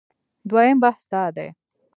دویم بحث دا دی